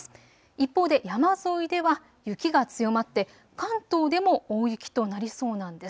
一方で山沿いでは雪が強まって関東でも大雪となりそうなんです。